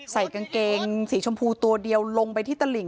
ใส่กางเกงสีชมพูตัวเดียวลงไปที่ตลิ่ง